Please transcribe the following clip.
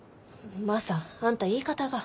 マサあんた言い方が。